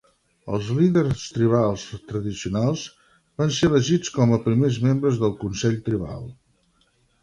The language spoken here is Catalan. Els líders tribals tradicionals van ser elegits com a primers membres del consell tribal.